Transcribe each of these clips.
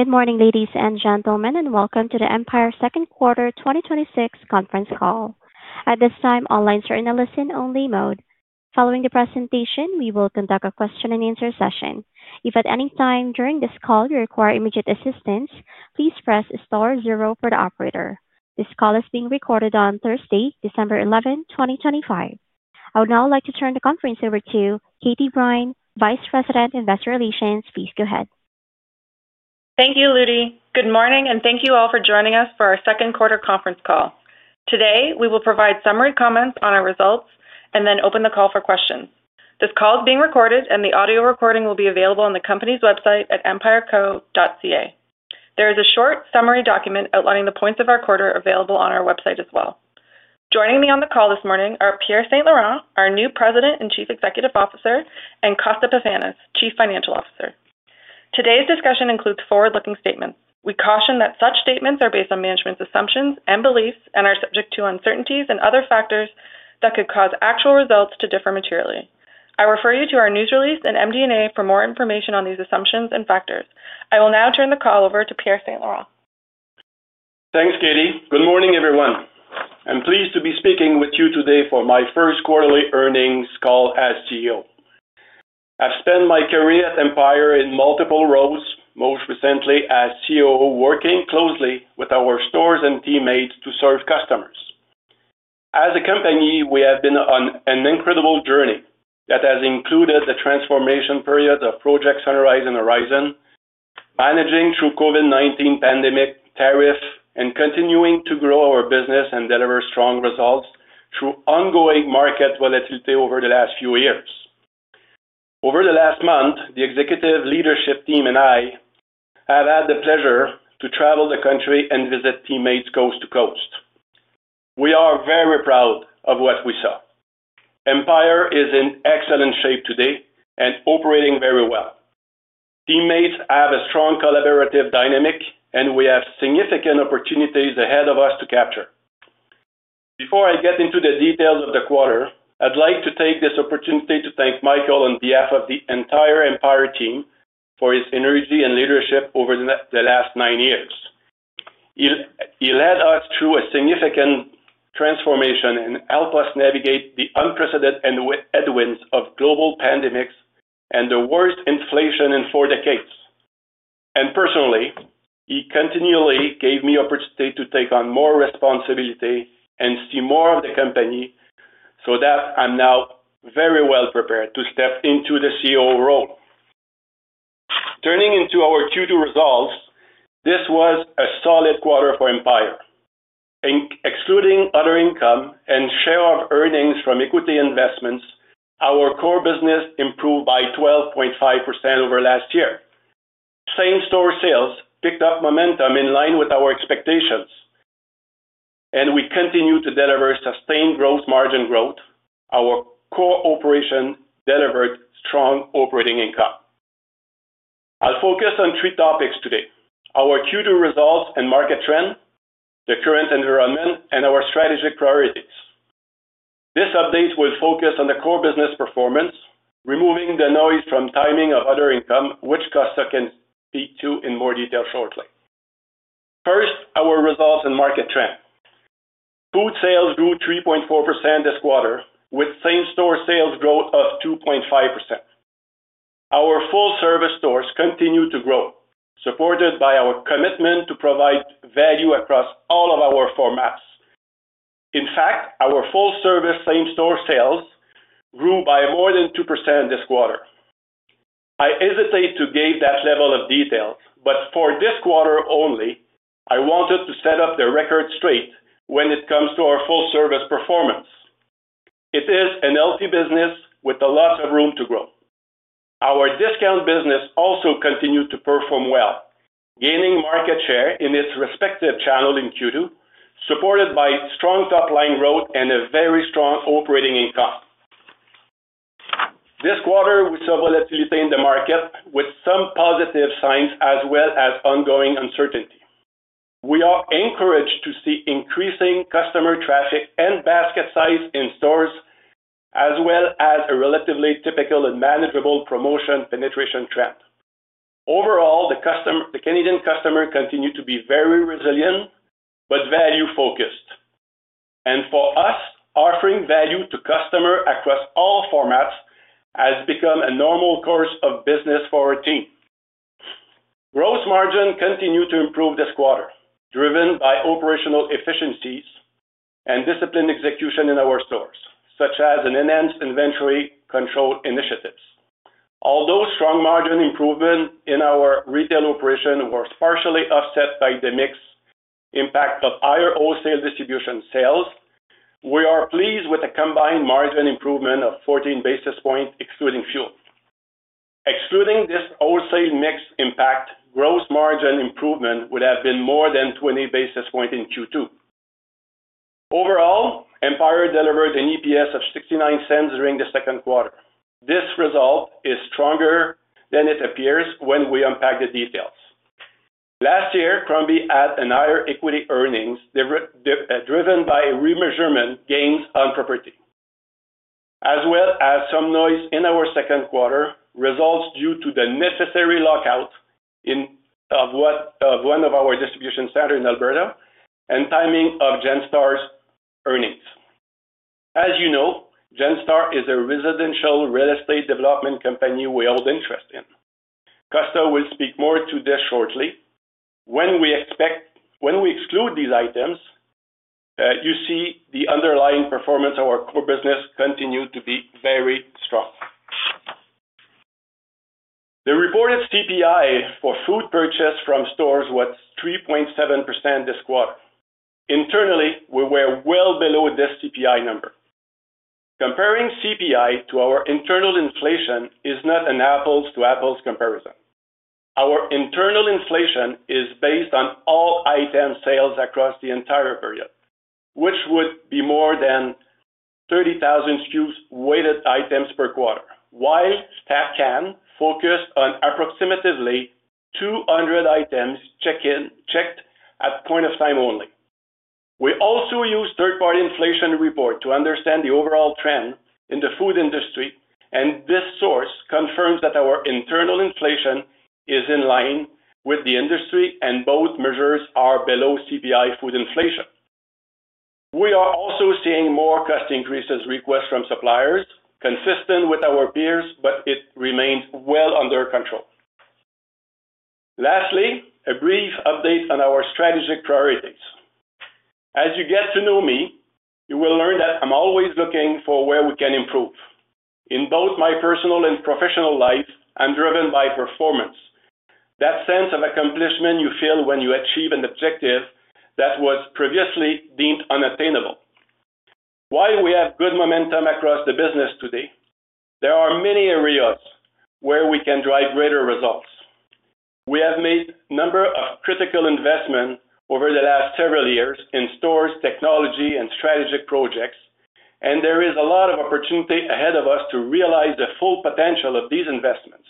Good morning, ladies and gentlemen, and welcome to the Empire Second Quarter 2026 conference call. At this time, all lines are in a listen-only mode. Following the presentation, we will conduct a question-and-answer session. If at any time during this call you require immediate assistance, please press star zero for the operator. This call is being recorded on Thursday, December 11, 2025. I would now like to turn the conference over to Katie Brine, Vice President, Investor Relations. Please go ahead. Thank you, [Lidi]. Good morning, and thank you all for joining us for our second quarter conference call. Today, we will provide summary comments on our results and then open the call for questions. This call is being recorded, and the audio recording will be available on the company's website at empireco.ca. There is a short summary document outlining the points of our quarter available on our website as well. Joining me on the call this morning are Pierre St-Laurent, our new President and Chief Executive Officer, and Costa Pefanis, Chief Financial Officer. Today's discussion includes forward-looking statements. We caution that such statements are based on management's assumptions and beliefs and are subject to uncertainties and other factors that could cause actual results to differ materially. I refer you to our news release and MD&A for more information on these assumptions and factors. I will now turn the call over to Pierre St-Laurent. Thanks, Katie. Good morning, everyone. I'm pleased to be speaking with you today for my first quarterly earnings call as CEO. I've spent my career at Empire in multiple roles, most recently as CEO, working closely with our stores and teammates to serve customers. As a company, we have been on an incredible journey that has included the transformation period of Project Sunrise and Project Horizon, managing through the COVID-19 pandemic tariff, and continuing to grow our business and deliver strong results through ongoing market volatility over the last few years. Over the last month, the executive leadership team and I have had the pleasure to travel the country and visit teammates coast to coast. We are very proud of what we saw. Empire is in excellent shape today and operating very well. Teammates have a strong collaborative dynamic, and we have significant opportunities ahead of us to capture. Before I get into the details of the quarter, I'd like to take this opportunity to thank Michael on behalf of the entire Empire team for his energy and leadership over the last nine years. He led us through a significant transformation and helped us navigate the unprecedented headwinds of global pandemics and the worst inflation in four decades, and personally, he continually gave me the opportunity to take on more responsibility and see more of the company so that I'm now very well prepared to step into the CEO role. Turning to our Q2 results, this was a solid quarter for Empire. Excluding other income and share of earnings from equity investments, our core business improved by 12.5% over last year. Same-store sales picked up momentum in line with our expectations, and we continue to deliver sustained gross margin growth. Our core operation delivered strong operating income. I'll focus on three topics today: our Q2 results and market trend, the current environment, and our strategic priorities. This update will focus on the core business performance, removing the noise from timing of other income, which Costa can speak to in more detail shortly. First, our results and market trend. Food sales grew 3.4% this quarter, with same-store sales growth of 2.5%. Our full-service stores continue to grow, supported by our commitment to provide value across all of our formats. In fact, our full-service same-store sales grew by more than 2% this quarter. I hesitate to give that level of detail, but for this quarter only, I wanted to set the record straight when it comes to our full-service performance. It is a healthy business with lots of room to grow. Our discount business also continued to perform well, gaining market share in its respective channel in Q2, supported by strong top-line growth and a very strong operating income. This quarter, we saw volatility in the market, with some positive signs as well as ongoing uncertainty. We are encouraged to see increasing customer traffic and basket size in stores, as well as a relatively typical and manageable promotion penetration trend. Overall, the Canadian customer continued to be very resilient but value-focused, and for us, offering value to customers across all formats has become a normal course of business for our team. Gross margin continued to improve this quarter, driven by operational efficiencies and disciplined execution in our stores, such as enhanced inventory control initiatives. Although strong margin improvement in our retail operation was partially offset by the mix impact of our wholesale distribution sales, we are pleased with a combined margin improvement of 14 basis points excluding fuel. Excluding this wholesale mix impact, gross margin improvement would have been more than 20 basis points in Q2. Overall, Empire delivered an EPS of 0.69 during the second quarter. This result is stronger than it appears when we unpack the details. Last year, Crombie had higher equity earnings driven by remeasurement gains on property, as well as some noise in our second quarter results due to the necessary lockout of one of our distribution centers in Alberta and timing of Genstar's earnings. As you know, Genstar is a residential real estate development company we hold interest in. Costa will speak more to this shortly. When we exclude these items, you see the underlying performance of our core business continue to be very strong. The reported CPI for food purchase from stores was 3.7% this quarter. Internally, we were well below this CPI number. Comparing CPI to our internal inflation is not an apples-to-apples comparison. Our internal inflation is based on all item sales across the entire period, which would be more than 30,000 SKUs weighted items per quarter, while CPI focused on approximately 200 items checked at point of time only. We also use third-party inflation reports to understand the overall trend in the food industry, and this source confirms that our internal inflation is in line with the industry, and both measures are below CPI food inflation. We are also seeing more cost increase requests from suppliers, consistent with our peers, but it remains well under control. Lastly, a brief update on our strategic priorities. As you get to know me, you will learn that I'm always looking for where we can improve. In both my personal and professional life, I'm driven by performance, that sense of accomplishment you feel when you achieve an objective that was previously deemed unattainable. While we have good momentum across the business today, there are many areas where we can drive greater results. We have made a number of critical investments over the last several years in stores, technology, and strategic projects, and there is a lot of opportunity ahead of us to realize the full potential of these investments.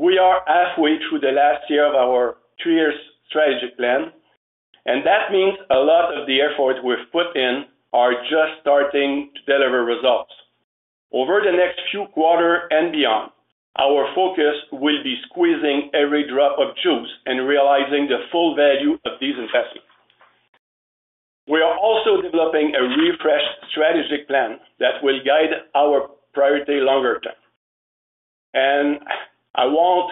We are halfway through the last year of our three-year strategic plan, and that means a lot of the effort we've put in are just starting to deliver results. Over the next few quarters and beyond, our focus will be squeezing every drop of juice and realizing the full value of these investments. We are also developing a refreshed strategic plan that will guide our priority longer term. I won't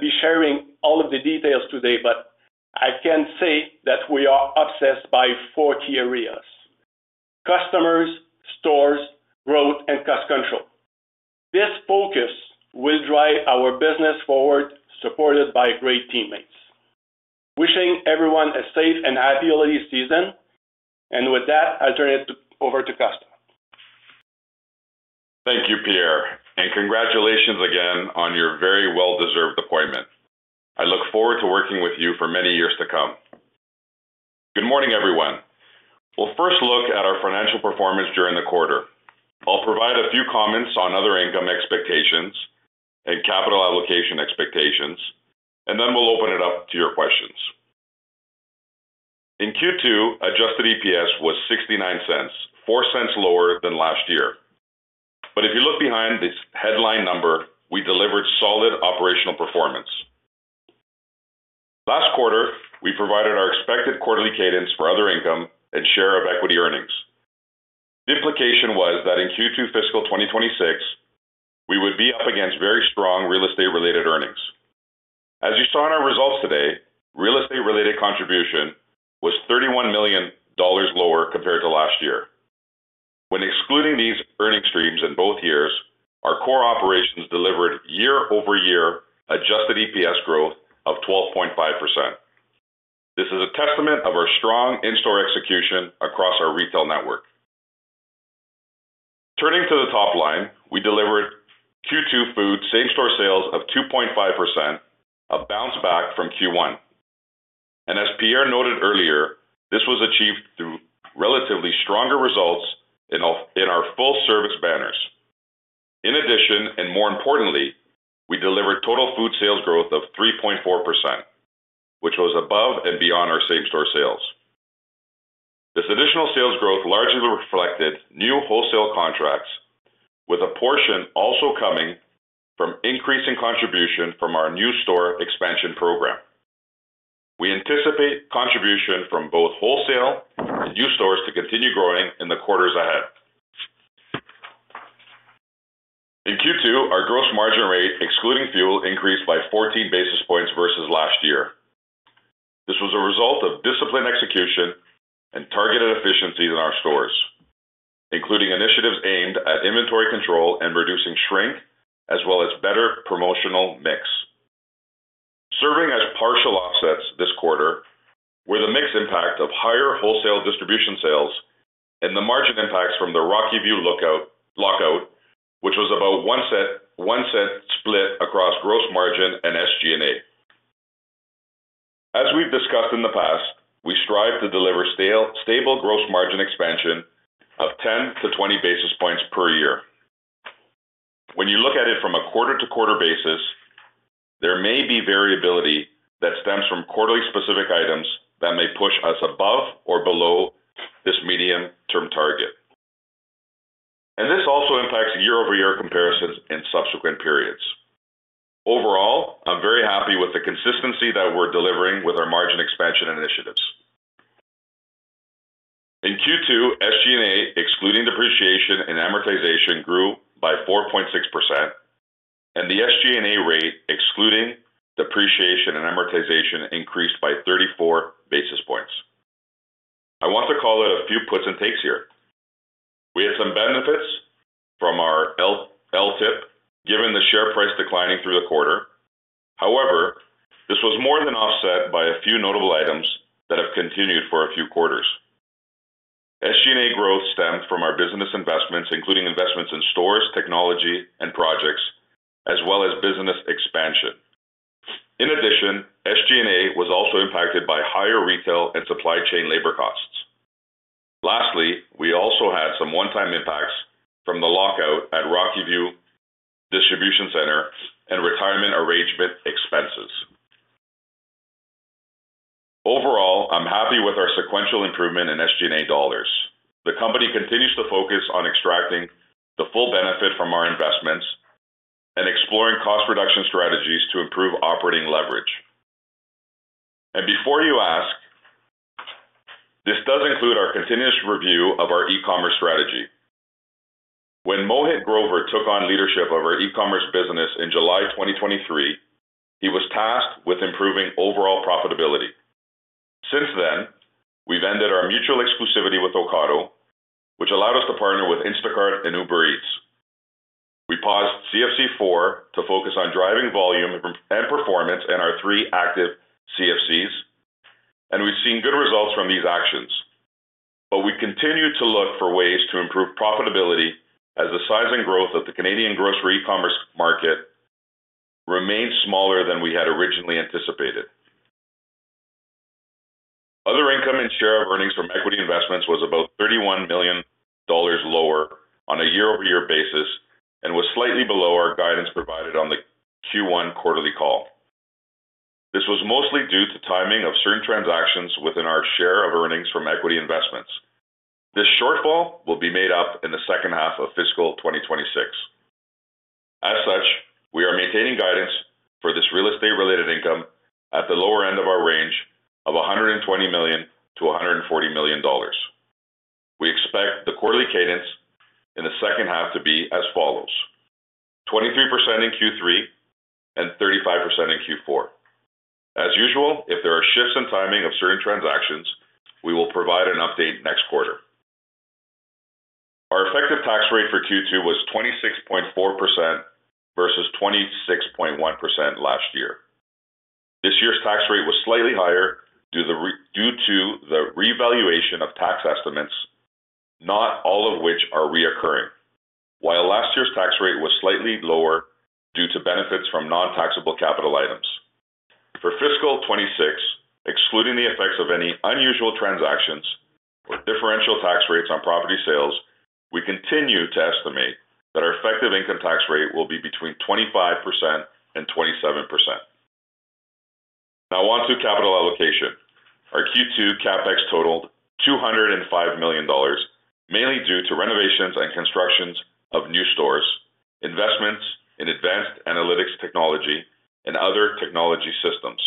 be sharing all of the details today, but I can say that we are obsessed by four key areas: customers, stores, growth, and cost control. This focus will drive our business forward, supported by great teammates. Wishing everyone a safe and happy holiday season. With that, I'll turn it over to Costa. Thank you, Pierre. And congratulations again on your very well-deserved appointment. I look forward to working with you for many years to come. Good morning, everyone. We'll first look at our financial performance during the quarter. I'll provide a few comments on other income expectations and capital allocation expectations, and then we'll open it up to your questions. In Q2, adjusted EPS was 0.69, four cents lower than last year. But if you look behind this headline number, we delivered solid operational performance. Last quarter, we provided our expected quarterly cadence for other income and share of equity earnings. The implication was that in Q2 fiscal 2026, we would be up against very strong real estate-related earnings. As you saw in our results today, real estate-related contribution was 31 million dollars lower compared to last year. When excluding these earnings streams in both years, our core operations delivered year-over-year Adjusted EPS growth of 12.5%. This is a testament to our strong in-store execution across our retail network. Turning to the top line, we delivered Q2 food same-store sales of 2.5%, a bounce back from Q1, and as Pierre noted earlier, this was achieved through relatively stronger results in our full-service banners. In addition, and more importantly, we delivered total food sales growth of 3.4%, which was above and beyond our same-store sales. This additional sales growth largely reflected new wholesale contracts, with a portion also coming from increasing contribution from our new store expansion program. We anticipate contribution from both wholesale and new stores to continue growing in the quarters ahead. In Q2, our Gross Margin rate, excluding fuel, increased by 14 basis points versus last year. This was a result of disciplined execution and targeted efficiencies in our stores, including initiatives aimed at inventory control and reducing shrink, as well as better promotional mix. Serving as partial offsets this quarter, were the mix impact of higher wholesale distribution sales and the margin impacts from the Rocky View lockout, which was about 0.01 split across gross margin and SG&A. As we've discussed in the past, we strive to deliver stable gross margin expansion of 10-20 basis points per year. When you look at it from a quarter-to-quarter basis, there may be variability that stems from quarter-specific items that may push us above or below this medium-term target. This also impacts year-over-year comparisons in subsequent periods. Overall, I'm very happy with the consistency that we're delivering with our margin expansion initiatives. In Q2, SG&A, excluding depreciation and amortization, grew by 4.6%, and the SG&A rate, excluding depreciation and amortization, increased by 34 basis points. I want to call out a few puts and takes here. We had some benefits from our LTIP, given the share price declining through the quarter. However, this was more than offset by a few notable items that have continued for a few quarters. SG&A growth stemmed from our business investments, including investments in stores, technology, and projects, as well as business expansion. In addition, SG&A was also impacted by higher retail and supply chain labor costs. Lastly, we also had some one-time impacts from the lockout at Rocky View Distribution Center and retirement arrangement expenses. Overall, I'm happy with our sequential improvement in SG&A dollars. The company continues to focus on extracting the full benefit from our investments and exploring cost reduction strategies to improve operating leverage, and before you ask, this does include our continuous review of our e-commerce strategy. When Mohit Grover took on leadership of our e-commerce business in July 2023, he was tasked with improving overall profitability. Since then, we've ended our mutual exclusivity with Ocado, which allowed us to partner with Instacart and Uber Eats. We paused CFC 4 to focus on driving volume and performance in our three active CFCs, and we've seen good results from these actions, but we continue to look for ways to improve profitability as the size and growth of the Canadian grocery e-commerce market remains smaller than we had originally anticipated. Other income and share of earnings from equity investments was about 31 million dollars lower on a year-over-year basis and was slightly below our guidance provided on the Q1 quarterly call. This was mostly due to timing of certain transactions within our share of earnings from equity investments. This shortfall will be made up in the second half of fiscal 2026. As such, we are maintaining guidance for this real estate-related income at the lower end of our range of 120 million-140 million dollars. We expect the quarterly cadence in the second half to be as follows: 23% in Q3 and 35% in Q4. As usual, if there are shifts in timing of certain transactions, we will provide an update next quarter. Our effective tax rate for Q2 was 26.4% versus 26.1% last year. This year's tax rate was slightly higher due to the revaluation of tax estimates, not all of which are recurring, while last year's tax rate was slightly lower due to benefits from non-taxable capital items. For fiscal 2026, excluding the effects of any unusual transactions or differential tax rates on property sales, we continue to estimate that our effective income tax rate will be between 25% and 27%. Now, onto capital allocation. Our Q2 CapEx totaled 205 million dollars, mainly due to renovations and constructions of new stores, investments in advanced analytics technology, and other technology systems.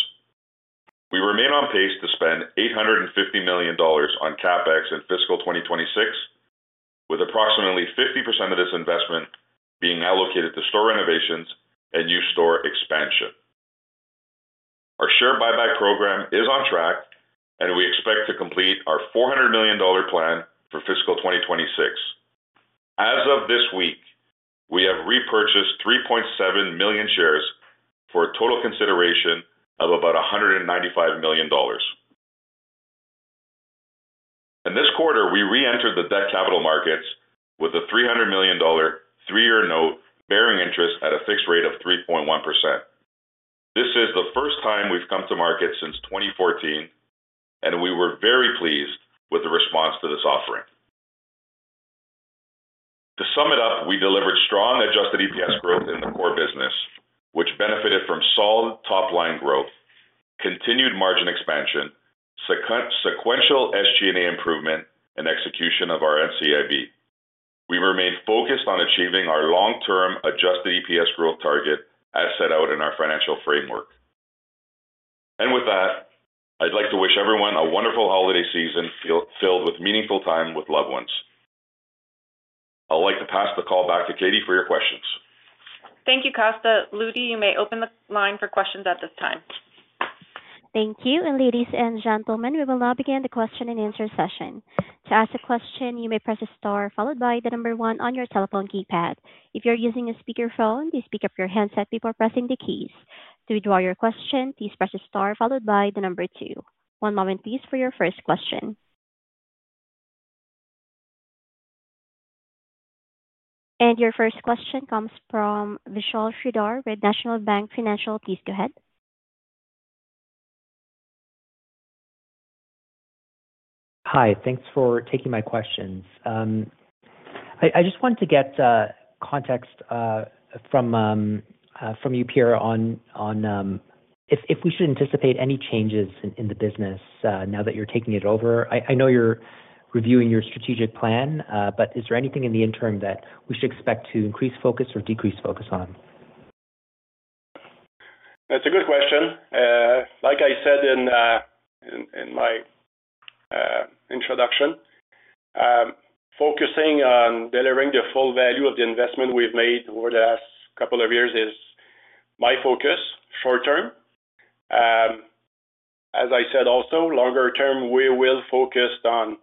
We remain on pace to spend 850 million dollars on CapEx in fiscal 2026, with approximately 50% of this investment being allocated to store renovations and new store expansion. Our share buyback program is on track, and we expect to complete our 400 million dollar plan for fiscal 2026. As of this week, we have repurchased 3.7 million shares for a total consideration of about 195 million dollars. In this quarter, we re-entered the debt capital markets with a 300 million dollar three-year note bearing interest at a fixed rate of 3.1%. This is the first time we've come to market since 2014, and we were very pleased with the response to this offering. To sum it up, we delivered strong adjusted EPS growth in the core business, which benefited from solid top-line growth, continued margin expansion, sequential SG&A improvement, and execution of our NCIB. We remained focused on achieving our long-term adjusted EPS growth target as set out in our financial framework. And with that, I'd like to wish everyone a wonderful holiday season filled with meaningful time with loved ones. I'd like to pass the call back to Katie for your questions. Thank you, Costa. Ludi, you may open the line for questions at this time. Thank you. And ladies and gentlemen, we will now begin the question-and-answer session. To ask a question, you may press the star followed by the number one on your telephone keypad. If you're using a speakerphone, please pick up your headset before pressing the keys. To withdraw your question, please press the star followed by the number two. One moment, please, for your first question. And your first question comes from Vishal Shridhar with National Bank Financial. Please go ahead. Hi. Thanks for taking my questions. I just wanted to get context from you, Pierre, on if we should anticipate any changes in the business now that you're taking it over. I know you're reviewing your strategic plan, but is there anything in the interim that we should expect to increase focus or decrease focus on? That's a good question. Like I said in my introduction, focusing on delivering the full value of the investment we've made over the last couple of years is my focus short term. As I said also, longer term, we will focus on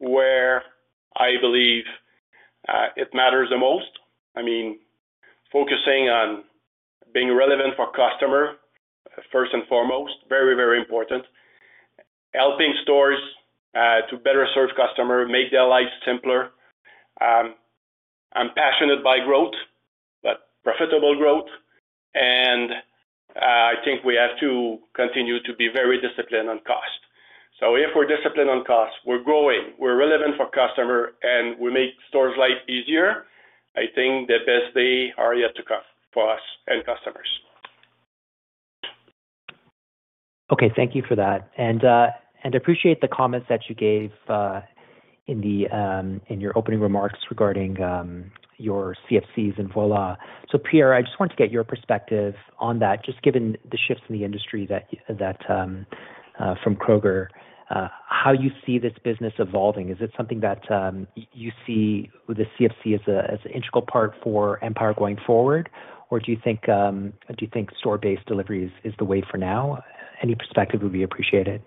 where I believe it matters the most. I mean, focusing on being relevant for customer, first and foremost, very, very important. Helping stores to better serve customers, make their lives simpler. I'm passionate by growth, but profitable growth, and I think we have to continue to be very disciplined on cost, so if we're disciplined on cost, we're growing, we're relevant for customers, and we make stores' lives easier, I think the best days are yet to come for us and customers. Okay. Thank you for that. And I appreciate the comments that you gave in your opening remarks regarding your CFCs and Voilà. So, Pierre, I just wanted to get your perspective on that, just given the shifts in the industry from Kroger, how you see this business evolving. Is it something that you see with the CFC as an integral part for Empire going forward, or do you think store-based delivery is the way for now? Any perspective would be appreciated.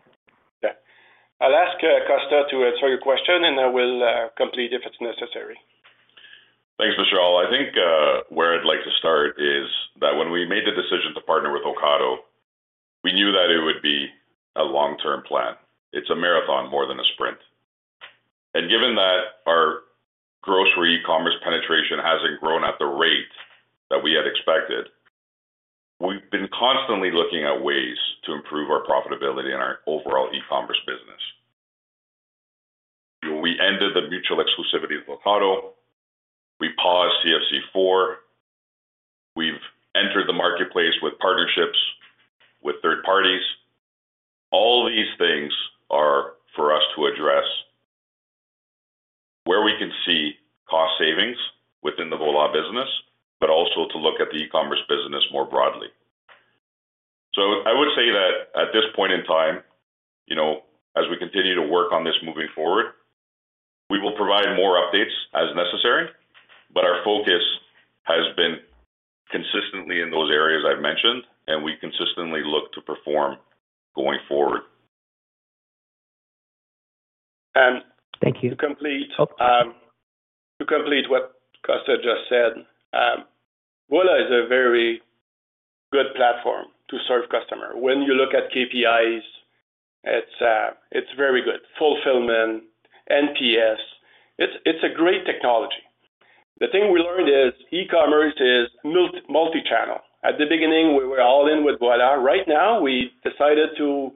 Okay. I'll ask Costa to answer your question, and I will complete if it's necessary. Thanks, Vishal. I think where I'd like to start is that when we made the decision to partner with Ocado, we knew that it would be a long-term plan. It's a marathon more than a sprint. And given that our grocery e-commerce penetration hasn't grown at the rate that we had expected, we've been constantly looking at ways to improve our profitability in our overall e-commerce business. We ended the mutual exclusivity with Ocado. We paused CFC 4. We've entered the marketplace with partnerships with third parties. All these things are for us to address where we can see cost savings within the Voilà business, but also to look at the e-commerce business more broadly. So I would say that at this point in time, as we continue to work on this moving forward, we will provide more updates as necessary, but our focus has been consistently in those areas I've mentioned, and we consistently look to perform going forward. Thank you. To complete what Costa just said, Voilà is a very good platform to serve customers. When you look at KPIs, it's very good. Fulfillment, NPS. It's a great technology. The thing we learned is e-commerce is multi-channel. At the beginning, we were all in with Voilà. Right now, we decided to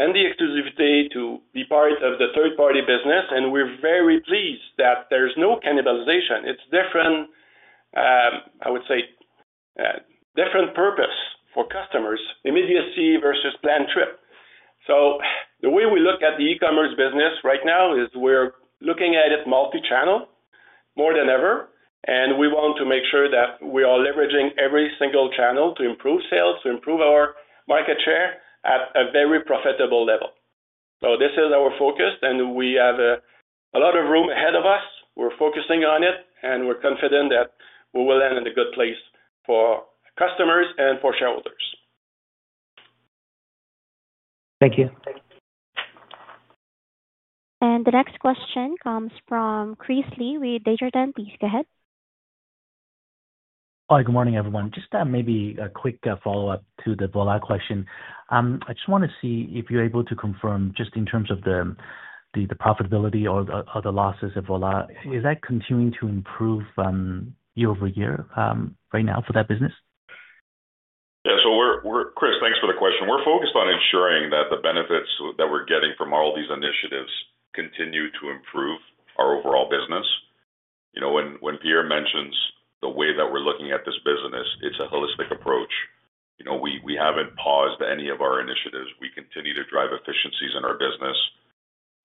end the exclusivity to be part of the third-party business, and we're very pleased that there's no cannibalization. It's different, I would say, different purpose for customers, immediacy versus planned trip. So the way we look at the e-commerce business right now is we're looking at it multi-channel more than ever, and we want to make sure that we are leveraging every single channel to improve sales, to improve our market share at a very profitable level. So this is our focus, and we have a lot of room ahead of us. We're focusing on it, and we're confident that we will land in a good place for customers and for shareholders. Thank you. The next question comes from Chris Li with Desjardins Securities. Please go ahead. Hi. Good morning, everyone. Just maybe a quick follow-up to the Voilà question. I just want to see if you're able to confirm just in terms of the profitability or the losses of Voilà, is that continuing to improve year over year right now for that business? Yeah. So Chris, thanks for the question. We're focused on ensuring that the benefits that we're getting from all these initiatives continue to improve our overall business. When Pierre mentions the way that we're looking at this business, it's a holistic approach. We haven't paused any of our initiatives. We continue to drive efficiencies in our business.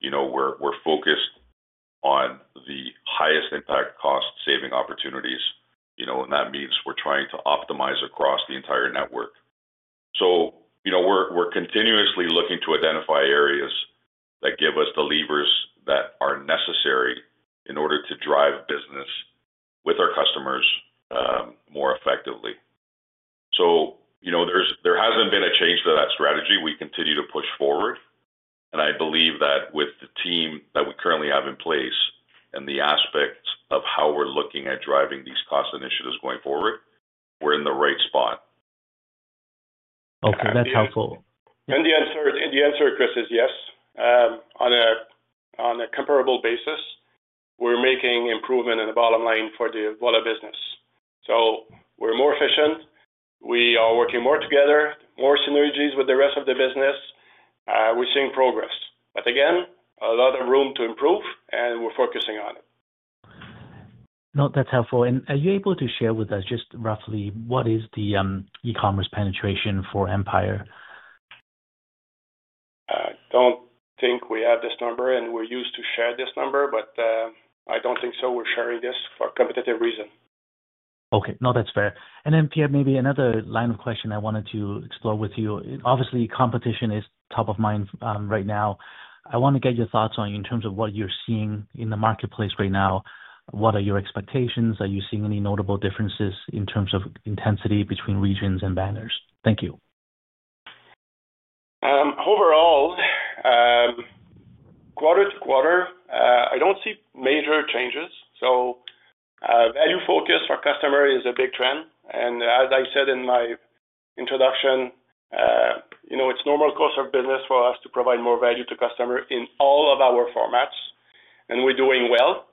We're focused on the highest impact cost-saving opportunities, and that means we're trying to optimize across the entire network. So we're continuously looking to identify areas that give us the levers that are necessary in order to drive business with our customers more effectively. So there hasn't been a change to that strategy. We continue to push forward, and I believe that with the team that we currently have in place and the aspects of how we're looking at driving these cost initiatives going forward, we're in the right spot. Okay. That's helpful. And the answer, Chris, is yes. On a comparable basis, we're making improvement in the bottom line for the Voilà business. So we're more efficient. We are working more together, more synergies with the rest of the business. We're seeing progress. But again, a lot of room to improve, and we're focusing on it. No, that's helpful. Are you able to share with us just roughly what is the e-commerce penetration for Empire? I don't think we have this number, and we're used to share this number, but I don't think so. We're sharing this for a competitive reason. Okay. No, that's fair. And then, Pierre, maybe another line of question I wanted to explore with you. Obviously, competition is top of mind right now. I want to get your thoughts on in terms of what you're seeing in the marketplace right now. What are your expectations? Are you seeing any notable differences in terms of intensity between regions and banners? Thank you. Overall, quarter to quarter, I don't see major changes. So value focus for customer is a big trend. And as I said in my introduction, it's normal course of business for us to provide more value to customer in all of our formats, and we're doing well.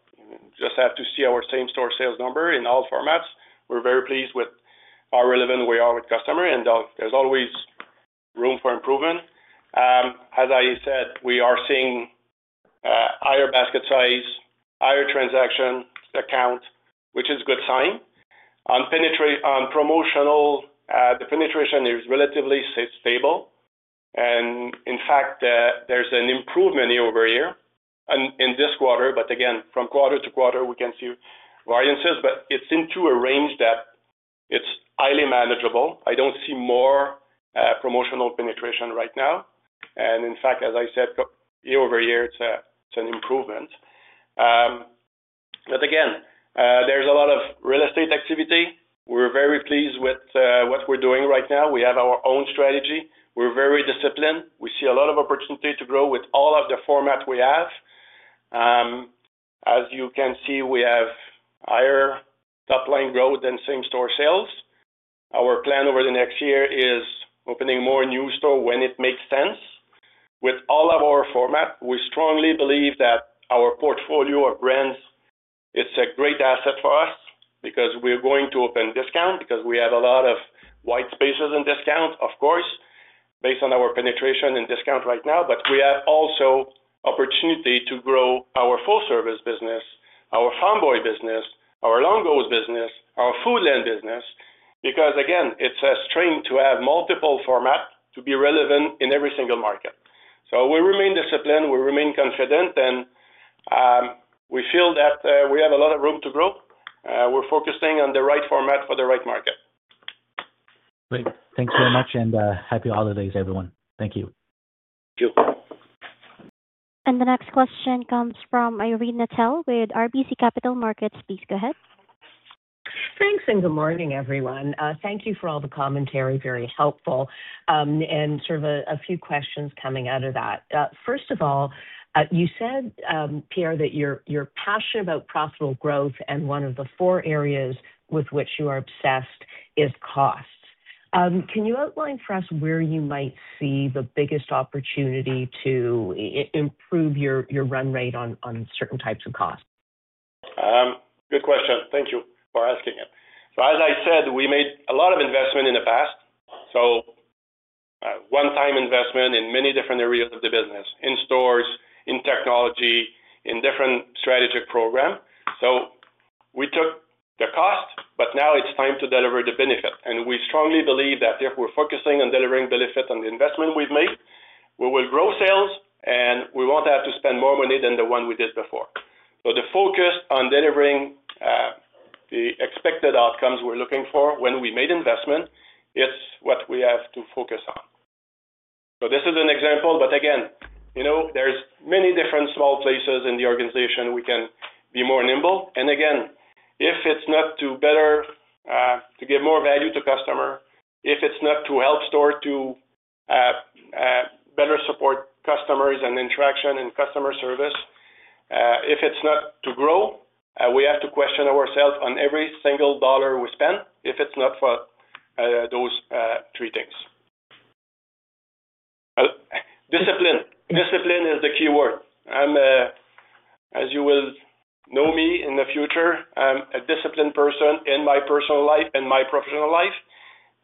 Just have to see our same store sales number in all formats. We're very pleased with how relevant we are with customer, and there's always room for improvement. As I said, we are seeing higher basket size, higher transaction account, which is a good sign. On promotional, the penetration is relatively stable. And in fact, there's an improvement year over year in this quarter. But again, from quarter to quarter, we can see variances, but it's into a range that it's highly manageable. I don't see more promotional penetration right now. And in fact, as I said, year over year, it's an improvement. But again, there's a lot of real estate activity. We're very pleased with what we're doing right now. We have our own strategy. We're very disciplined. We see a lot of opportunity to grow with all of the formats we have. As you can see, we have higher top-line growth than same store sales. Our plan over the next year is opening more new stores when it makes sense with all of our formats. We strongly believe that our portfolio of brands, it's a great asset for us because we're going to open discount because we have a lot of white spaces in discount, of course, based on our penetration and discount right now. But we have also opportunity to grow our full-service business, our Farm Boy business, our Longo’s business, our Foodland business because, again, it's a strength to have multiple formats to be relevant in every single market. So we remain disciplined. We remain confident, and we feel that we have a lot of room to grow. We're focusing on the right format for the right market. Great. Thanks very much, and happy holidays, everyone. Thank you. Thank you. The next question comes from Irene Nattel with RBC Capital Markets. Please go ahead. Thanks, and good morning, everyone. Thank you for all the commentary. Very helpful. And sort of a few questions coming out of that. First of all, you said, Pierre, that you're passionate about profitable growth, and one of the four areas with which you are obsessed is costs. Can you outline for us where you might see the biggest opportunity to improve your run rate on certain types of costs? Good question. Thank you for asking it, so as I said, we made a lot of investment in the past, so one-time investment in many different areas of the business, in stores, in technology, in different strategic programs, so we took the cost, but now it's time to deliver the benefit, and we strongly believe that if we're focusing on delivering benefit on the investment we've made, we will grow sales, and we won't have to spend more money than the one we did before, so the focus on delivering the expected outcomes we're looking for when we made investment, it's what we have to focus on, so this is an example, but again, there's many different small places in the organization we can be more nimble. Again, if it's not to give more value to customers, if it's not to help stores to better support customers and interaction and customer service, if it's not to grow, we have to question ourselves on every single dollar we spend if it's not for those three things. Discipline. Discipline is the key word. As you will know me in the future, I'm a disciplined person in my personal life and my professional life.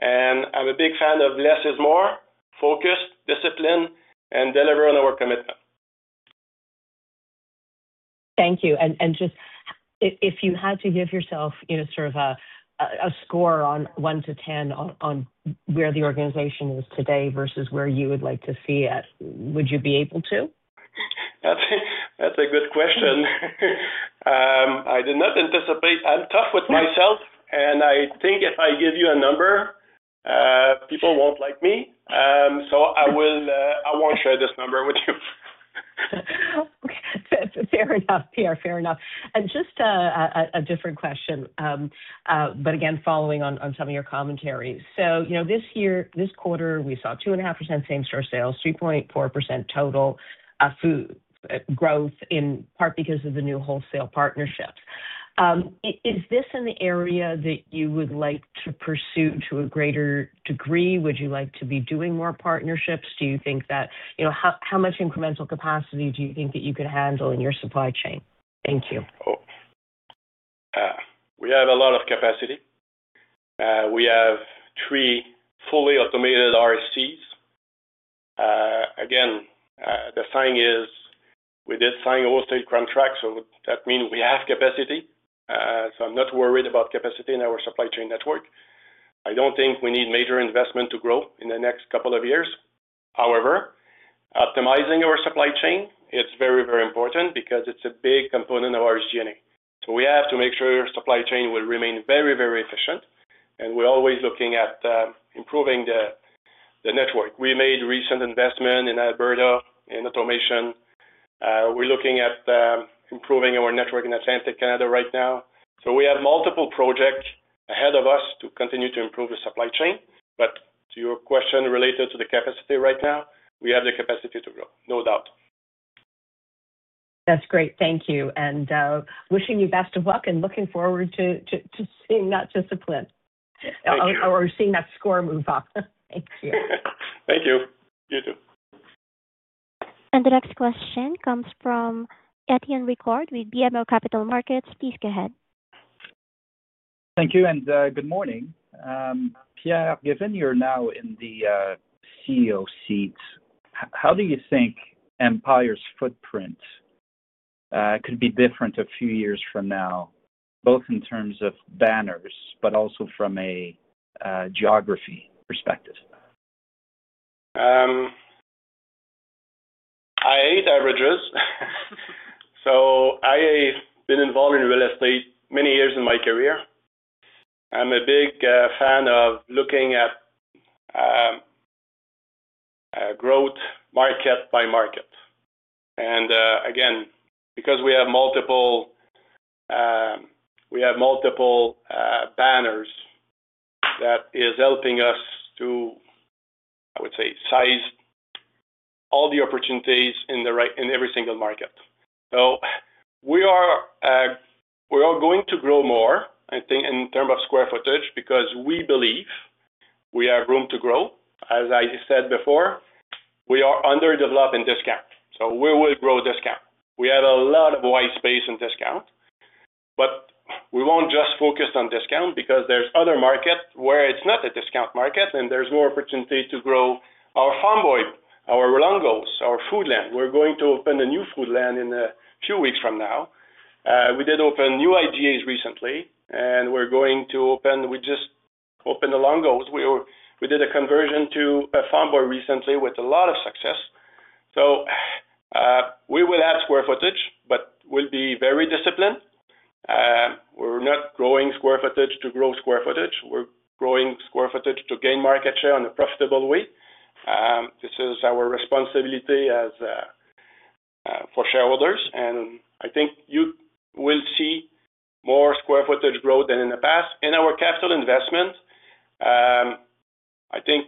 I'm a big fan of less is more, focus, discipline, and deliver on our commitment. Thank you. And just if you had to give yourself sort of a score on one to 10 on where the organization is today versus where you would like to see it, would you be able to? That's a good question. I did not anticipate. I'm tough with myself, and I think if I give you a number, people won't like me. So I won't share this number with you. Okay. Fair enough, Pierre. Fair enough. And just a different question, but again, following on some of your commentary. So this year, this quarter, we saw 2.5% same-store sales, 3.4% total growth in part because of the new wholesale partnerships. Is this an area that you would like to pursue to a greater degree? Would you like to be doing more partnerships? Do you think how much incremental capacity you could handle in your supply chain? Thank you. We have a lot of capacity. We have three fully automated RSCs. Again, the thing is we did sign overstayed contracts, so that means we have capacity. So I'm not worried about capacity in our supply chain network. I don't think we need major investment to grow in the next couple of years. However, optimizing our supply chain, it's very, very important because it's a big component of our journey. So we have to make sure our supply chain will remain very, very efficient, and we're always looking at improving the network. We made recent investment in Alberta in automation. We're looking at improving our network in Atlantic Canada right now. So we have multiple projects ahead of us to continue to improve the supply chain. But to your question related to the capacity right now, we have the capacity to grow, no doubt. That's great. Thank you, and wishing you best of luck and looking forward to seeing that discipline or seeing that score move up. Thank you. Thank you. You too. The next question comes from Etienne Ricard with BMO Capital Markets. Please go ahead. Thank you, and good morning. Pierre, given you're now in the CEO seat. How do you think Empire's footprint could be different a few years from now, both in terms of banners but also from a geography perspective? I hate averages. I've been involved in real estate many years in my career. I'm a big fan of looking at growth market by market. Again, because we have multiple banners, that is helping us to, I would say, size all the opportunities in every single market. We are going to grow more, I think, in terms of square footage because we believe we have room to grow. As I said before, we are underdeveloped in discount. We will grow discount. We have a lot of white space in discount, but we won't just focus on discount because there's other markets where it's not a discount market, and there's more opportunity to grow our Farm Boy, our Longo’s, our Foodland. We're going to open a new Foodland in a few weeks from now. We did open new IGAs recently, and we just opened the Longo’s. We did a conversion to a Farm Boy recently with a lot of success, so we will add square footage, but we'll be very disciplined. We're not growing square footage to grow square footage. We're growing square footage to gain market share in a profitable way. This is our responsibility for shareholders, and I think you will see more square footage growth than in the past. In our capital investment, I think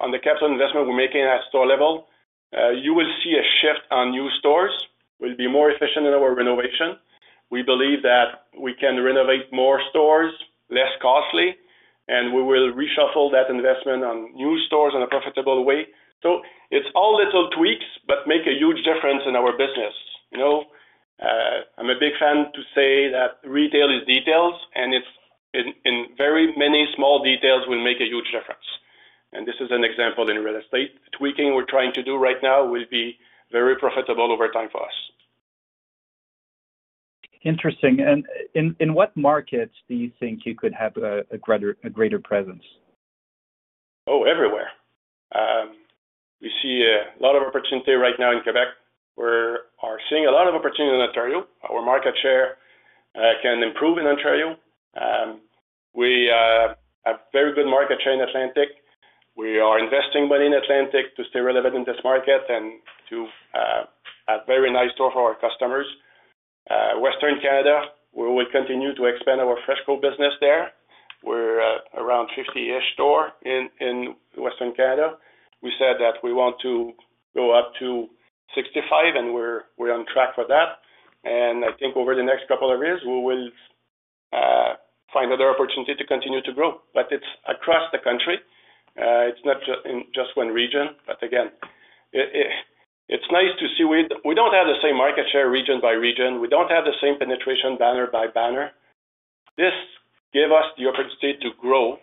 on the capital investment we're making at store level, you will see a shift on new stores. We'll be more efficient in our renovation. We believe that we can renovate more stores less costly, and we will reshuffle that investment on new stores in a profitable way, so it's all little tweaks, but make a huge difference in our business. I'm a big fan to say that retail is details, and it's in very many small details will make a huge difference. And this is an example in real estate. The tweaking we're trying to do right now will be very profitable over time for us. Interesting. And in what markets do you think you could have a greater presence? Oh, everywhere. We see a lot of opportunity right now in Quebec. We are seeing a lot of opportunity in Ontario. Our market share can improve in Ontario. We have a very good market share in Atlantic. We are investing money in Atlantic to stay relevant in this market and to have a very nice store for our customers. Western Canada, we will continue to expand our FreshCo business there. We're around 50-ish stores in Western Canada. We said that we want to go up to 65, and we're on track for that. And I think over the next couple of years, we will find other opportunities to continue to grow. But it's across the country. It's not just one region. But again, it's nice to see we don't have the same market share region by region. We don't have the same penetration banner by banner. This gives us the opportunity to grow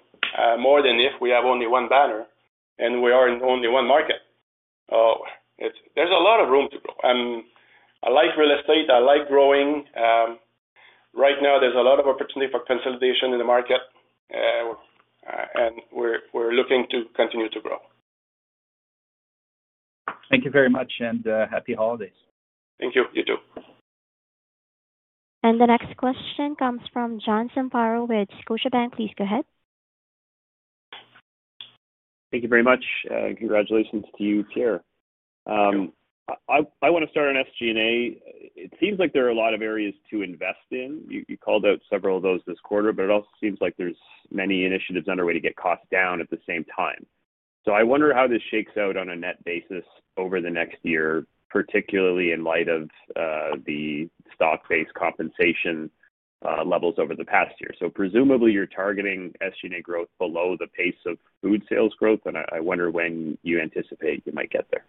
more than if we have only one banner and we are in only one market. There's a lot of room to grow. I like real estate. I like growing. Right now, there's a lot of opportunity for consolidation in the market, and we're looking to continue to grow. Thank you very much, and happy holidays. Thank you. You too. The next question comes from John Zamparo with Scotiabank. Please go ahead. Thank you very much. Congratulations to you, Pierre. I want to start on SG&A. It seems like there are a lot of areas to invest in. You called out several of those this quarter, but it also seems like there's many initiatives underway to get costs down at the same time. So I wonder how this shakes out on a net basis over the next year, particularly in light of the stock-based compensation levels over the past year. So presumably, you're targeting SG&A growth below the pace of food sales growth, and I wonder when you anticipate you might get there.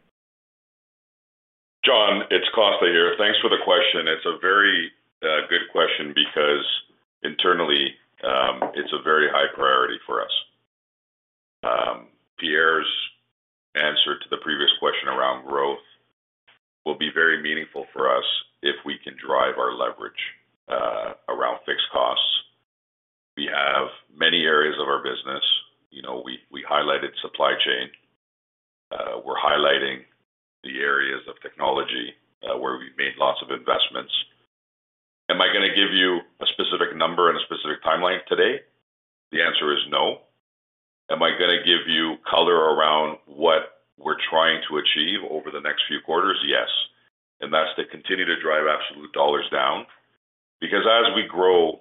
John, it's Costa here. Thanks for the question. It's a very good question because internally, it's a very high priority for us. Pierre's answer to the previous question around growth will be very meaningful for us if we can drive our leverage around fixed costs. We have many areas of our business. We highlighted supply chain. We're highlighting the areas of technology where we've made lots of investments. Am I going to give you a specific number and a specific timeline today? The answer is no. Am I going to give you color around what we're trying to achieve over the next few quarters? Yes. And that's to continue to drive absolute dollars down because as we grow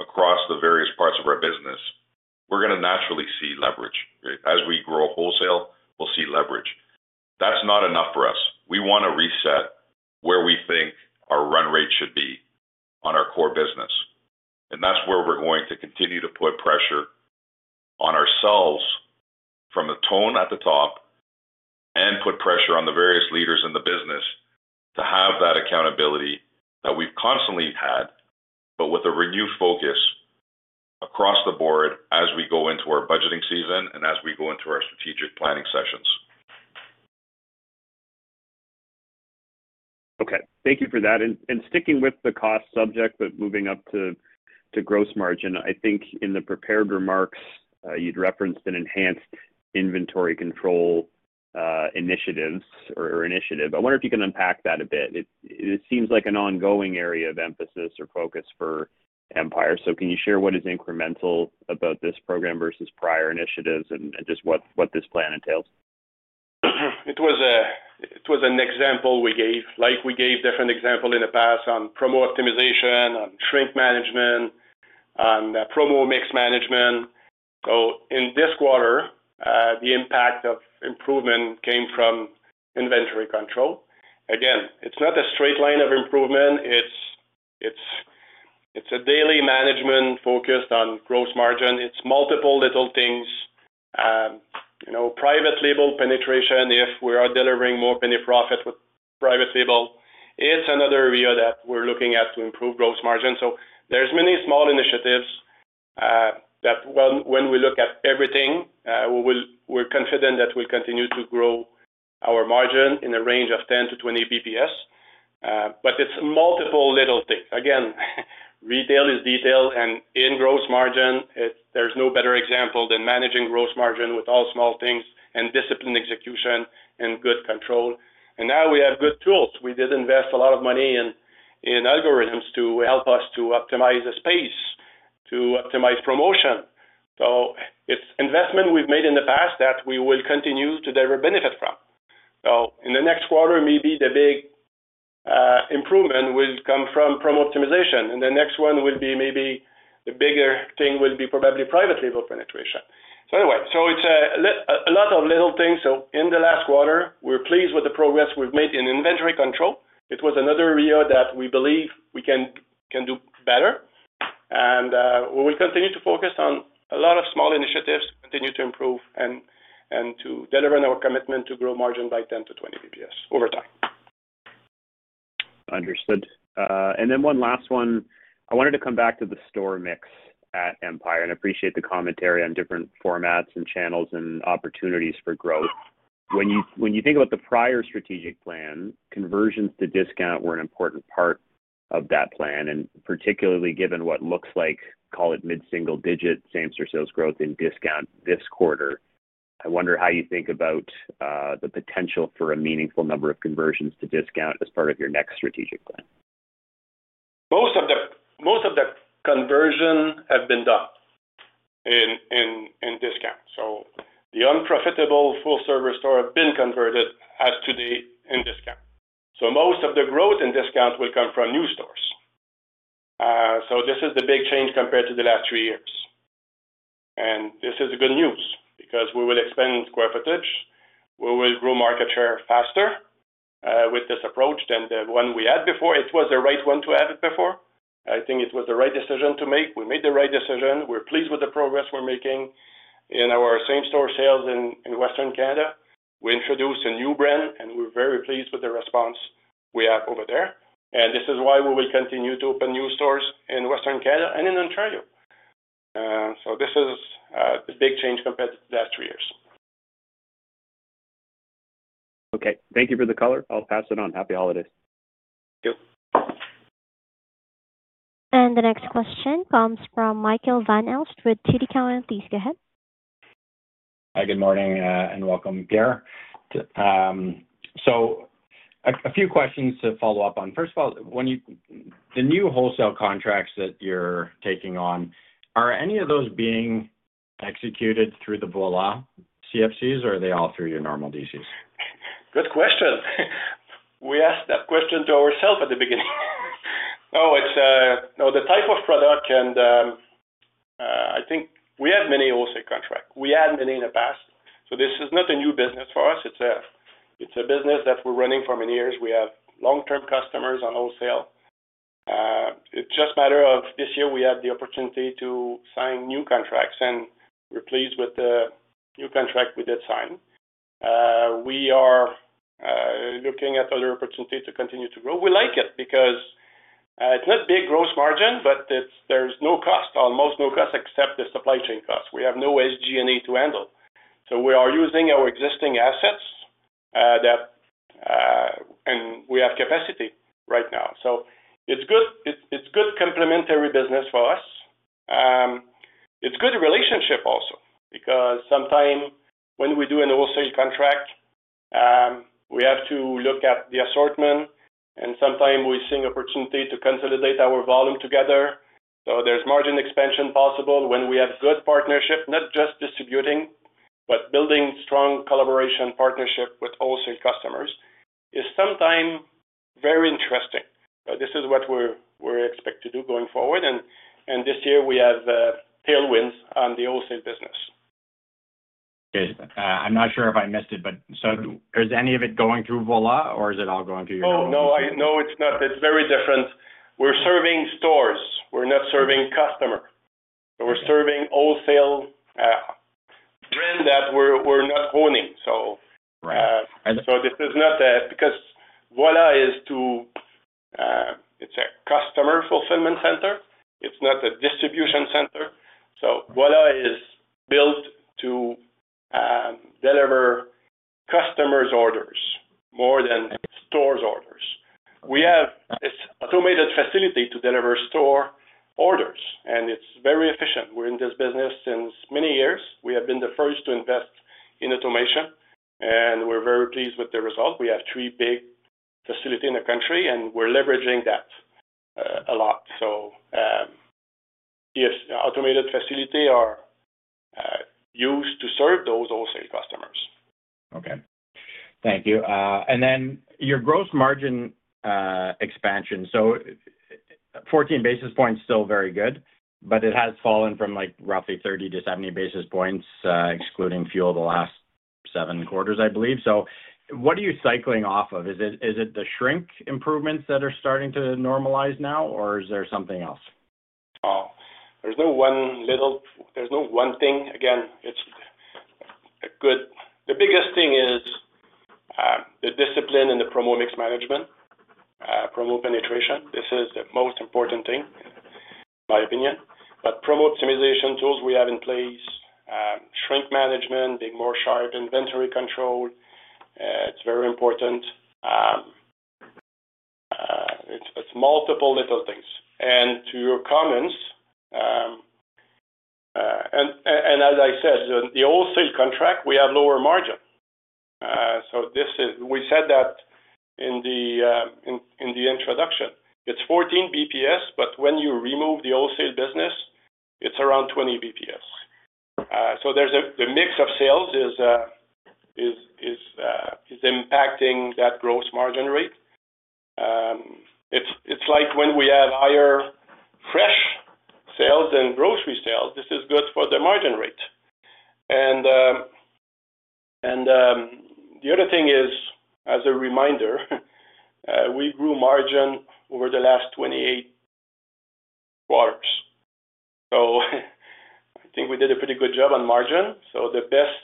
across the various parts of our business, we're going to naturally see leverage. As we grow wholesale, we'll see leverage. That's not enough for us. We want to reset where we think our run rate should be on our core business, and that's where we're going to continue to put pressure on ourselves from the tone at the top and put pressure on the various leaders in the business to have that accountability that we've constantly had, but with a renewed focus across the board as we go into our budgeting season and as we go into our strategic planning sessions. Okay. Thank you for that, and sticking with the cost subject, but moving up to gross margin, I think in the prepared remarks, you'd referenced an enhanced inventory control initiative. I wonder if you can unpack that a bit. It seems like an ongoing area of emphasis or focus for Empire, so can you share what is incremental about this program versus prior initiatives and just what this plan entails? It was an example we gave, like we gave different examples in the past on promo optimization, on shrink management, on promo mix management, so in this quarter, the impact of improvement came from inventory control, again, it's not a straight line of improvement, it's a daily management focused on gross margin, it's multiple little things, private label penetration, if we are delivering more penny profit with private label, it's another area that we're looking at to improve gross margin, so there's many small initiatives that when we look at everything, we're confident that we'll continue to grow our margin in a range of 10-20 basis points, but it's multiple little things, again, retail is detail, and in gross margin, there's no better example than managing gross margin with all small things and discipline execution and good control, and now we have good tools. We did invest a lot of money in algorithms to help us to optimize the space, to optimize promotion, so it's investment we've made in the past that we will continue to derive benefit from, so in the next quarter, maybe the big improvement will come from promo optimization, and the next one will be maybe the bigger thing will be probably private label penetration, so anyway, so it's a lot of little things, so in the last quarter, we're pleased with the progress we've made in inventory control. It was another area that we believe we can do better, and we will continue to focus on a lot of small initiatives, continue to improve, and to deliver on our commitment to grow margin by 10-20 basis points over time. Understood. And then one last one. I wanted to come back to the store mix at Empire and appreciate the commentary on different formats and channels and opportunities for growth. When you think about the prior strategic plan, conversions to discount were an important part of that plan, and particularly given what looks like, call it mid-single digit same store sales growth in discount this quarter. I wonder how you think about the potential for a meaningful number of conversions to discount as part of your next strategic plan? Most of the conversion has been done in discount, so the unprofitable full-service store has been converted to date in discount, so most of the growth in discount will come from new stores, so this is the big change compared to the last three years, and this is good news because we will expand square footage. We will grow market share faster with this approach than the one we had before. It was the right one to have it before. I think it was the right decision to make. We made the right decision. We're pleased with the progress we're making in our same store sales in Western Canada. We introduced a new brand, and we're very pleased with the response we have over there, and this is why we will continue to open new stores in Western Canada and in Ontario. So this is the big change compared to the last three years. Okay. Thank you for the color. I'll pass it on. Happy holidays. You too. The next question comes from Michael Van Aelst with TD Cowen. Please go ahead. Hi, good morning, and welcome, Pierre. So a few questions to follow up on. First of all, the new wholesale contracts that you're taking on, are any of those being executed through the Voilà CFCs, or are they all through your normal DCs? Good question. We asked that question to ourselves at the beginning. No, it's the type of product, and I think we have many wholesale contracts. We had many in the past. So this is not a new business for us. It's a business that we're running for many years. We have long-term customers on wholesale. It's just a matter of this year we had the opportunity to sign new contracts, and we're pleased with the new contract we did sign. We are looking at other opportunities to continue to grow. We like it because it's not big gross margin, but there's no cost, almost no cost, except the supply chain costs. We have no SG&A to handle. So we are using our existing assets, and we have capacity right now. So it's good complementary business for us. It's good relationship also because sometimes when we do a wholesale contract, we have to look at the assortment, and sometimes we see an opportunity to consolidate our volume together. So there's margin expansion possible when we have good partnership, not just distributing, but building strong collaboration partnership with wholesale customers is sometimes very interesting. This is what we expect to do going forward. And this year, we have tailwinds on the wholesale business. Okay. I'm not sure if I missed it, but so is any of it going through Voilà, or is it all going through your own? Oh, no, no, it's not. It's very different. We're serving stores. We're not serving customers. So we're serving wholesale brands that we're not owning. So this is not because Voilà is. It's a customer fulfillment center. It's not a distribution center. So Voilà is built to deliver customers' orders more than stores' orders. We have an automated facility to deliver store orders, and it's very efficient. We're in this business since many years. We have been the first to invest in automation, and we're very pleased with the result. We have three big facilities in the country, and we're leveraging that a lot. So yes, automated facilities are used to serve those wholesale customers. Okay. Thank you, and then your gross margin expansion, so 14 basis points is still very good, but it has fallen from roughly 30-70 basis points, excluding fuel, the last seven quarters, I believe, so what are you cycling off of? Is it the shrink improvements that are starting to normalize now, or is there something else? Oh, there's no one thing. Again, it's good. The biggest thing is the discipline and the promo mix management, promo penetration. This is the most important thing, in my opinion. But promo optimization tools we have in place, shrink management, being more sharp, inventory control. It's very important. It's multiple little things. And to your comments, and as I said, the wholesale contract, we have lower margin. So we said that in the introduction, it's 14 basis points, but when you remove the wholesale business, it's around 20 basis points. So the mix of sales is impacting that gross margin rate. It's like when we have higher fresh sales than grocery sales, this is good for the margin rate. And the other thing is, as a reminder, we grew margin over the last 28 quarters. So I think we did a pretty good job on margin. So, the best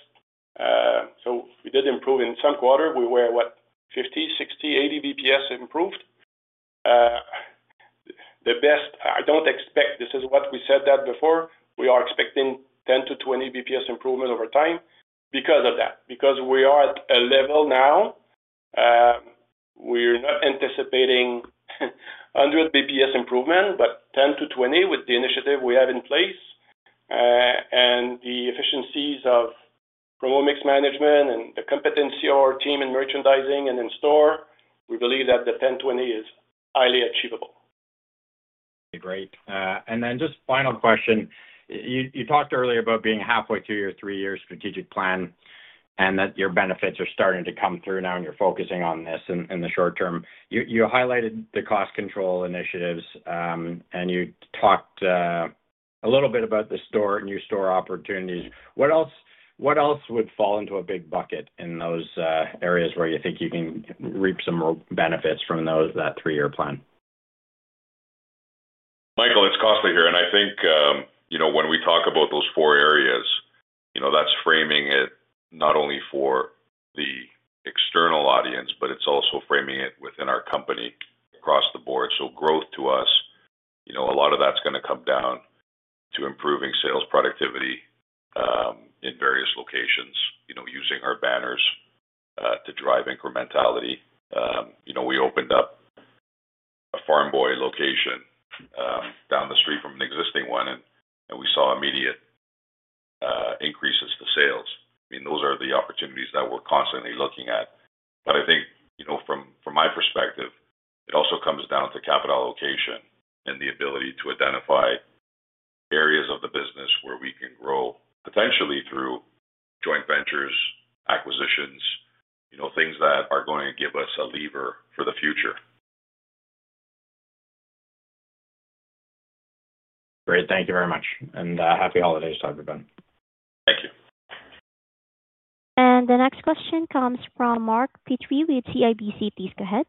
so we did improve in some quarter. We were, what, 50, 60, 80 basis points improved. The best, I don't expect. This is what we said that before. We are expecting 10 to 20 basis points improvement over time because of that, because we are at a level now. We're not anticipating 100 basis points improvement, but 10 to 20 with the initiative we have in place. And the efficiencies of promo mix management and the competency of our team in merchandising and in store, we believe that the 10, 20 is highly achievable. Okay. Great. And then just final question. You talked earlier about being halfway to your three-year strategic plan and that your benefits are starting to come through now, and you're focusing on this in the short term. You highlighted the cost control initiatives, and you talked a little bit about the new store opportunities. What else would fall into a big bucket in those areas where you think you can reap some benefits from that three-year plan? Michael, it's Costa here, and I think when we talk about those four areas, that's framing it not only for the external audience, but it's also framing it within our company across the board, so growth to us, a lot of that's going to come down to improving sales productivity in various locations using our banners to drive incrementality. We opened up a Farm Boy location down the street from an existing one, and we saw immediate increases to sales. I mean, those are the opportunities that we're constantly looking at, but I think from my perspective, it also comes down to capital allocation and the ability to identify areas of the business where we can grow potentially through joint ventures, acquisitions, things that are going to give us a lever for the future. Great. Thank you very much. And happy holidays, [Dr. Ben]. Thank you. The next question comes from Mark Petrie with CIBC. Please go ahead.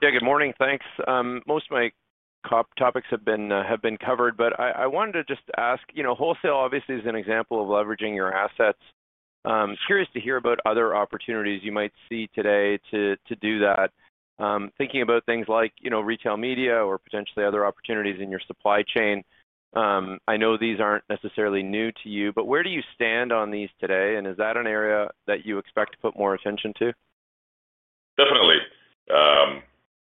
Yeah, good morning. Thanks. Most of my topics have been covered, but I wanted to just ask, wholesale obviously is an example of leveraging your assets. Curious to hear about other opportunities you might see today to do that, thinking about things like retail media or potentially other opportunities in your supply chain. I know these aren't necessarily new to you, but where do you stand on these today, and is that an area that you expect to put more attention to? Definitely.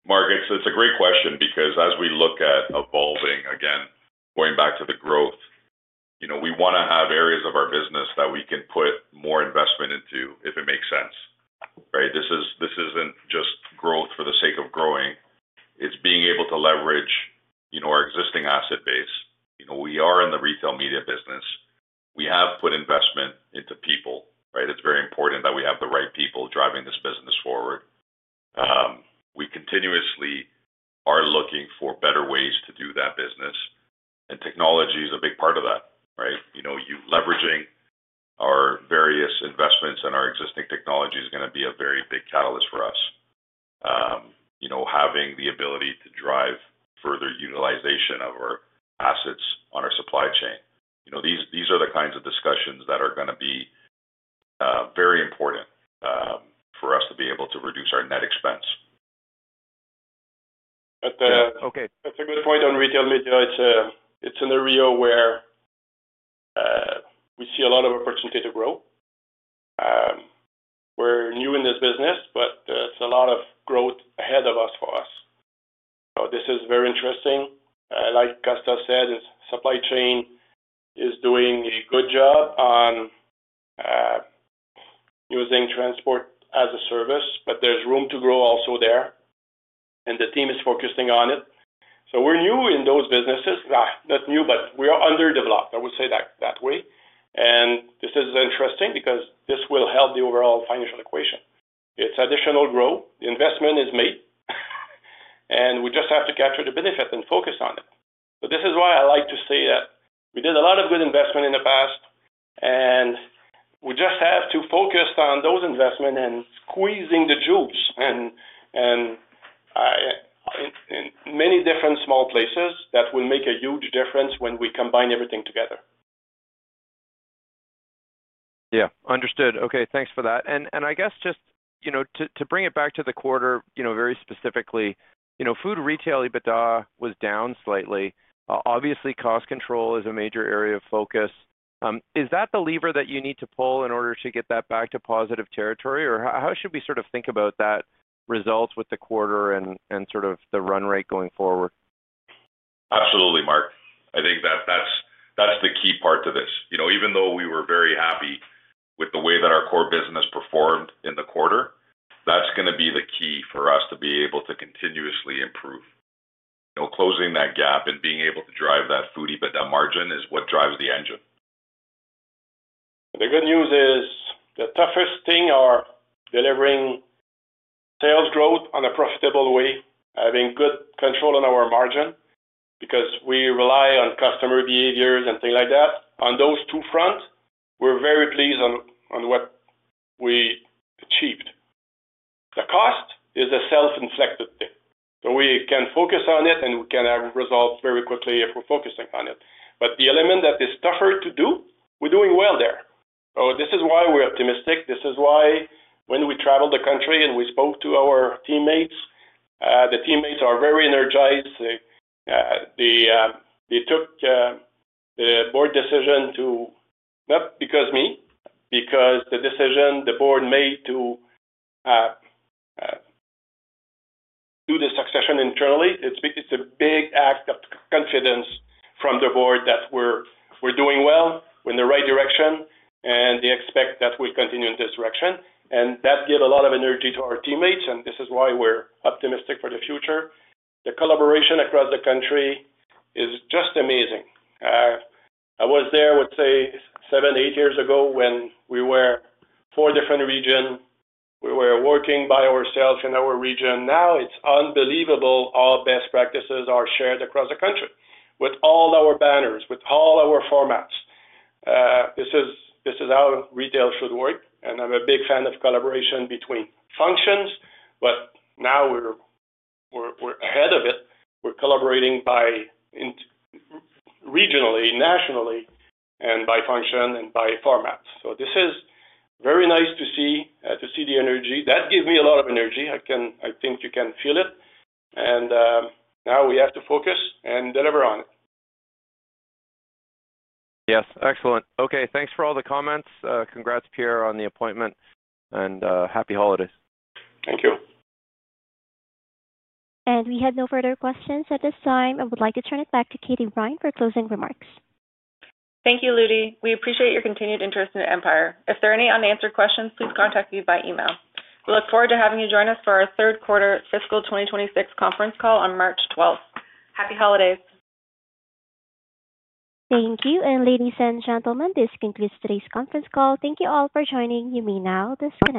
Mark, it's a great question because as we look at evolving, again, going back to the growth, we want to have areas of our business that we can put more investment into if it makes sense, right? This isn't just growth for the sake of growing. It's being able to leverage our existing asset base. We are in the retail media business. We have put investment into people, right? It's very important that we have the right people driving this business forward. We continuously are looking for better ways to do that business, and technology is a big part of that, right? Leveraging our various investments and our existing technology is going to be a very big catalyst for us, having the ability to drive further utilization of our assets on our supply chain. These are the kinds of discussions that are going to be very important for us to be able to reduce our net expense. That's a good point on retail media. It's an area where we see a lot of opportunity to grow. We're new in this business, but it's a lot of growth ahead of us for us. This is very interesting. Like Costa said, supply chain is doing a good job on using transport as a service, but there's room to grow also there, and the team is focusing on it, so we're new in those businesses. Not new, but we are underdeveloped, I would say that way, and this is interesting because this will help the overall financial equation. It's additional growth. The investment is made, and we just have to capture the benefit and focus on it. So this is why I like to say that we did a lot of good investment in the past, and we just have to focus on those investments and squeezing the juice in many different small places that will make a huge difference when we combine everything together. Yeah. Understood. Okay. Thanks for that. And I guess just to bring it back to the quarter, very specifically, food retail EBITDA was down slightly. Obviously, cost control is a major area of focus. Is that the lever that you need to pull in order to get that back to positive territory, or how should we sort of think about that result with the quarter and sort of the run rate going forward? Absolutely, Mark. I think that's the key part to this. Even though we were very happy with the way that our core business performed in the quarter, that's going to be the key for us to be able to continuously improve. Closing that gap and being able to drive that food EBITDA margin is what drives the engine. The good news is the toughest thing is delivering sales growth in a profitable way, having good control on our margin because we rely on customer behaviors and things like that. On those two fronts, we're very pleased on what we achieved. The cost is a self-inflicted thing. So we can focus on it, and we can have results very quickly if we're focusing on it. But the element that is tougher to do, we're doing well there. So this is why we're optimistic. This is why when we traveled the country and we spoke to our teammates, the teammates are very energized. They took the board decision to not because of me, because the decision the board made to do the succession internally. It's a big act of confidence from the board that we're doing well in the right direction, and they expect that we'll continue in this direction. That gives a lot of energy to our teammates, and this is why we're optimistic for the future. The collaboration across the country is just amazing. I was there, I would say, seven, eight years ago when we were four different regions. We were working by ourselves in our region. Now it's unbelievable how best practices are shared across the country with all our banners, with all our formats. This is how retail should work, and I'm a big fan of collaboration between functions, but now we're ahead of it. We're collaborating regionally, nationally, and by function and by format. This is very nice to see the energy. That gives me a lot of energy. I think you can feel it. Now we have to focus and deliver on it. Yes. Excellent. Okay. Thanks for all the comments. Congrats, Pierre, on the appointment, and happy holidays. Thank you. We have no further questions at this time. I would like to turn it back to Katie Brine for closing remarks. Thank you, Ludi. We appreciate your continued interest in Empire. If there are any unanswered questions, please contact me by email. We look forward to having you join us for our third quarter fiscal 2026 conference call on March 12th. Happy holidays. Thank you. And ladies and gentlemen, this concludes today's conference call. Thank you all for joining us now. This has been.